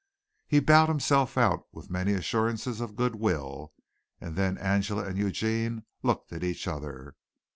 He bowed himself out with many assurances of good will, and then Angela and Eugene looked at each other.